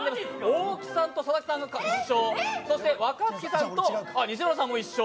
大木さんと佐々木さんが一緒そして若槻さんと西村さんも一緒。